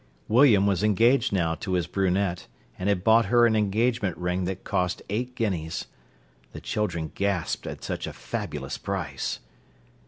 William was engaged now to his brunette, and had bought her an engagement ring that cost eight guineas. The children gasped at such a fabulous price.